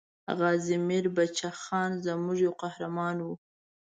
غازي میر بچه خان زموږ یو قهرمان وو.